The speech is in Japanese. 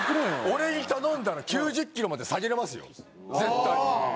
俺に頼んだら９０キロまで下げられますよ絶対。